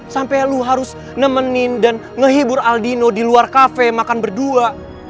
sampai lu harus nemenin dan ngehibur aldino di luar kafe makan berdua